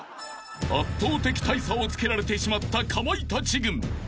［圧倒的大差をつけられてしまったかまいたち軍］